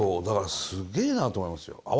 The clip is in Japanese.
だからすげえなと思いますよ。